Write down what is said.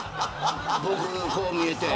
僕、こう見えて。